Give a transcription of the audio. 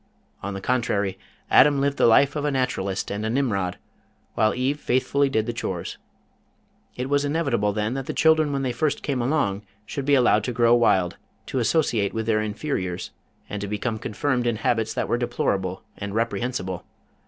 On the contrary Adam lived the life of a Naturalist and a Nimrod, while Eve faithfully did the chores. It was inevitable then that the children when they first came along, should be allowed to grow wild, to associate with their inferiors, and to become confirmed in habits that were deplorable and reprehensible.